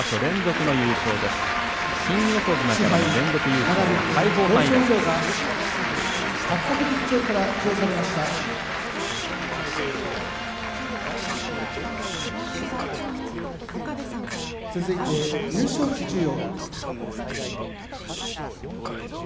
続いて優勝旗授与。